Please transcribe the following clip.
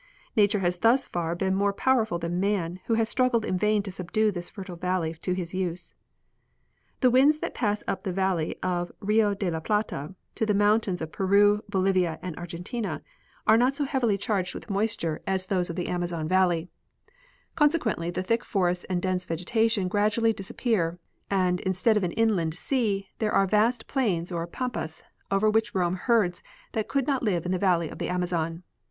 Nature has thus far been more powerful than man, who has struggled in vain to subdue this fertile valley to his use. The winds that pass up the valley of Rio de la Plata to the mountains of Peru, Bolivia and Argentina are not so heavily The South American Lowland. 115 charged nith moisture as those of the Amazon valley ; conse quently the thick forests and dense vegetation gradually disap pear, and, instead of an inland sea, there are vast plains or pampas, over which roam herds that could not live in the valley of the Amazon.